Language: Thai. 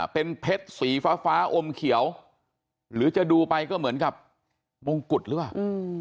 เป็นเพชรสีฟ้าฟ้าอมเขียวหรือจะดูไปก็เหมือนกับมงกุฎหรือเปล่า